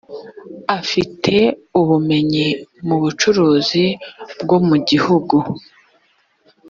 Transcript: afite ubumenyi mu bucuruzi bwo mu gihugu